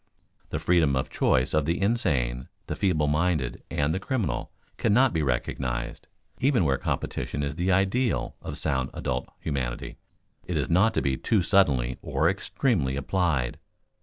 The freedom of choice of the insane, the feeble minded, and the criminal, cannot be recognized. Even where competition is the ideal of sound adult humanity, it is not to be too suddenly or extremely applied.